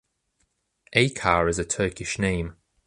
Acar is a Turkish name.